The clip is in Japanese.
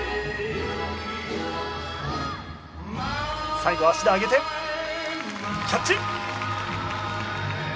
最後は足で上げてキャッチ！